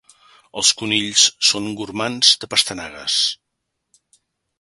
Els conills són gormands de pastanagues.